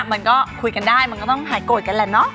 มันก็คุยกันได้มันก็ต้องหายโกรธกันแหละเนาะ